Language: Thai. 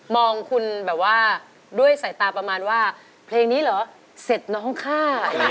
มองคุณแบบว่าด้วยใส่ตาประมาณว่าเพลงนี้เป็นเพลงพระร็อกของยุคนี้อีกเพลงหนึ่งเลย